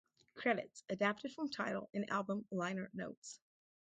Credits adapted from Tidal and album liner notes.